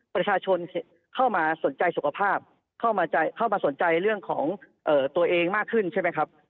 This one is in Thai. ประชาชนเข้ามาสนใจสุขภาพเข้ามาสนใจเรื่องของตัวเองมากขึ้นใช่ไหมครับ